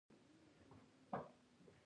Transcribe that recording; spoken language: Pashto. زړو کسانو به د آرام ژوند هیله لرله.